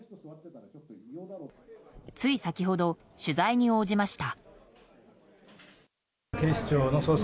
つい先ほど、取材に応じました。